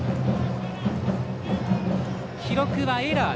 記録はエラー。